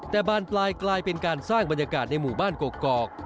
แต่บานปลายกลายเป็นการสร้างบรรยากาศในหมู่บ้านกกอก